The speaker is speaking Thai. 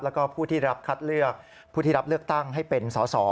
แล้วก็ผู้ที่รับคัดเลือกผู้ที่รับเลือกตั้งให้เป็นสอสอ